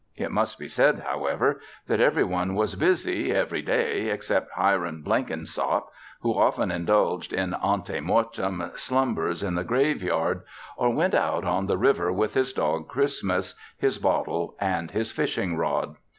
It must be said, however, that every one was busy, every day, except Hiram Blenkinsop, who often indulged in ante mortem slumbers in the graveyard or went out on the river with his dog Christmas, his bottle and his fishing rod.